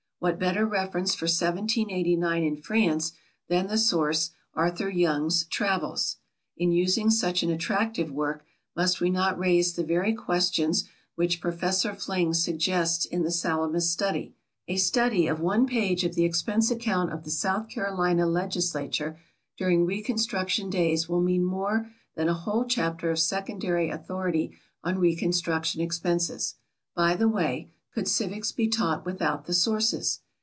What better reference for 1789 in France than the source, Arthur Young's "Travels." In using such an attractive work, must we not raise the very questions which Professor Fling suggests in the "Salamis" study? A study of one page of the expense account of the South Carolina Legislature during reconstruction days will mean more than a whole chapter of secondary authority on reconstruction expenses. By the way, could civics be taught without the sources?